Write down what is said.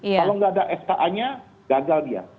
kalau nggak ada ska nya gagal dia